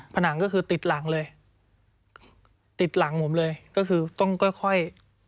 ผนังก็คือติดหลังเลยติดหลังผมเลยก็คือต้องค่อยค่อย